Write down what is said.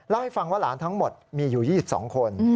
ให้ฟังว่าหลานทั้งหมดมีอยู่๒๒คน